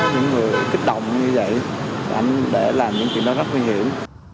những người kích động như vậy anh để làm những chuyện đó rất nguy hiểm